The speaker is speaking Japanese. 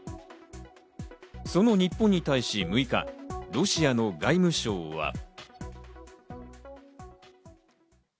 日本に対し６日、ロシアの外務省は。